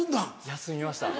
休みました！